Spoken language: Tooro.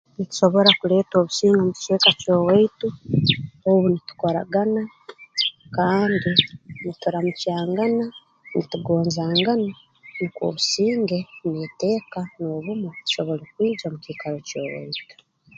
Nitusobora kuleeta obusinge mu kicweka ky'owaitu obu nitukuragana kandi nituramukyangana nitugonzangana nukwo obusinge n'eteeka n'obumu bisobole kwija mu kiikaro ky'owaitu